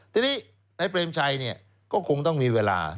ทีนี้ไอ้เปรมชัยเนี่ยก็คงต้องมีเวลา